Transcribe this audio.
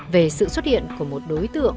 về sự xuất hiện của một đối tượng